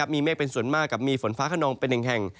มีเมฆเป็นส่วนมากกับมีฝนฟ้าขนองเป็นหนึ่งแห่ง